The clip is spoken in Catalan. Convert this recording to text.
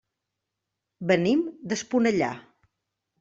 Venim d'Esponellà.